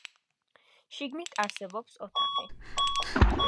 შიგნით არსებობს ოთახი.